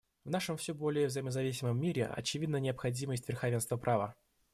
В нашем все более взаимозависимом мире очевидна необходимость верховенства права.